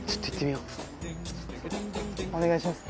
お願いします。